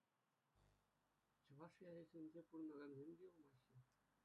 Чӑваш ялӗсенче пурӑнакансем те юлмаҫҫӗ.